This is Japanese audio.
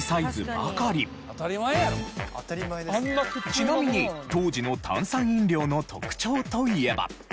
ちなみに当時の炭酸飲料の特徴といえば。